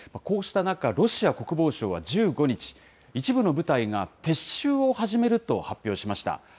こうした中、ロシア国防省は１５日、一部の部隊が撤収を始めると発表しました。